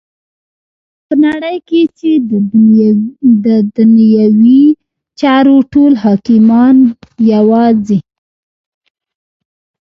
په نړی کی چی ددنیوی چارو ټول حاکمان یواځی